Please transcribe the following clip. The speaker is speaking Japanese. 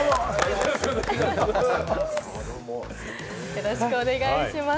よろしくお願いします。